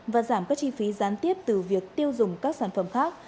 và giảm các chi phí gián tiếp từ việc tiêu dùng các sản phẩm khác